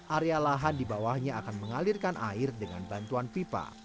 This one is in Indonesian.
area lahan di bawahnya akan mengalirkan air dengan bantuan pipa